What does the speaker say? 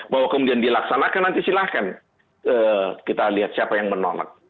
bahwa kemudian dilaksanakan nanti silahkan kita lihat siapa yang menolak